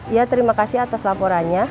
ya terima kasih atas laporannya